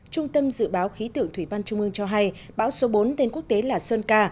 trung tâm dự báo khí tượng thủy văn trung ương cho hay bão số bốn tên quốc tế là sơn ca